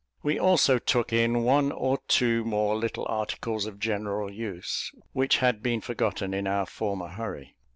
We also took in one or two more little articles of general use, which had been forgotten in our former hurry.